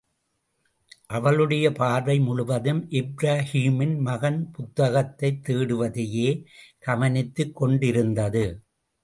அவளுடைய பார்வை முழுவதும், இப்ராஹீமின் மகன் புத்தகத்தைத் தேடுவதையே கவனித்துக் கொண்டிருந்தது.